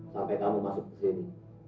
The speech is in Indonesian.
sampai kamu masuk ke sini